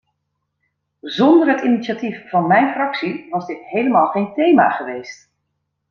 Zonder het initiatief van mijn fractie was dit helemaal geen thema geweest.